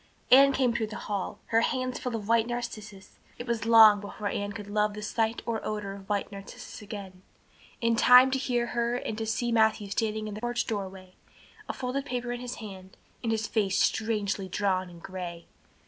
Anne came through the hall, her hands full of white narcissus, it was long before Anne could love the sight or odor of white narcissus again, in time to hear her and to see Matthew standing in the porch doorway, a folded paper in his hand, and his face strangely drawn and gray.